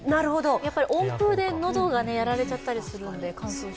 やっぱり温風で喉がやられちゃったりするので乾燥して。